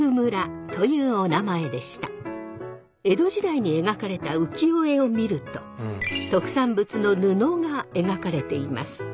江戸時代に描かれた浮世絵を見ると特産物の布が描かれています。